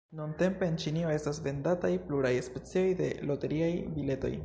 Nuntempe en Ĉinio estas vendataj pluraj specoj de loteriaj biletoj.